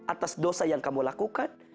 atas dosa yang kamu lakukan